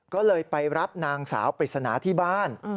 ก็เลยไปรับนางสาวปริศนาที่บ้าน